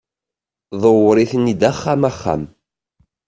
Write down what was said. ḍewwer-iten-d axxam axxam